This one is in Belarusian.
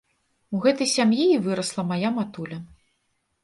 У гэтай сям'і і вырасла мая матуля.